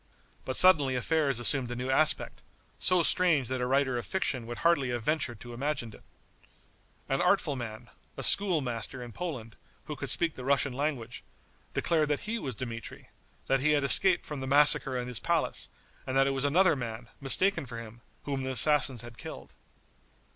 But suddenly affairs assumed a new aspect, so strange that a writer of fiction would hardly have ventured to imagine it. An artful man, a schoolmaster in Poland, who could speak the Russian language, declared that he was Dmitri; that he had escaped from the massacre in his palace, and that it was another man, mistaken for him, whom the assassins had killed.